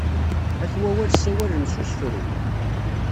At wawal ssawalen s usefru.